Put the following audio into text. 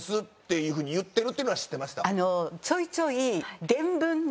ちょいちょい。